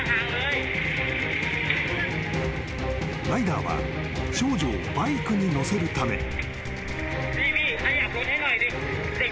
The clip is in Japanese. ［ライダーは少女をバイクに乗せるため］